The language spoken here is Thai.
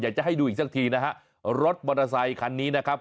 อยากจะให้ดูอีกสักทีนะฮะรถบริษัทคันนี้นะครับ